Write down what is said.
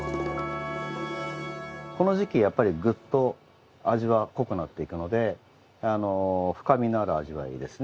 この時期やっぱりグッと味が濃くなっていくので深みのある味わいですね。